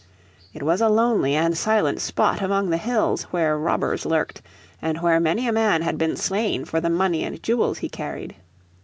It was a lonely and silent spot among the hills, where robbers lurked, and where many a man had been slain for the money and jewels he carried.